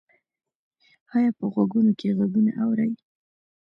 ایا په غوږونو کې غږونه اورئ؟